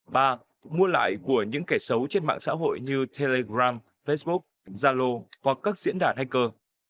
ba mua lại của những kẻ xấu trên mạng xã hội như telegram facebook zalo hoặc các diễn đàn hacker